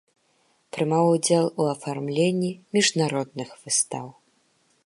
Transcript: Прымаў ўдзел у афармленні міжнародных выстаў.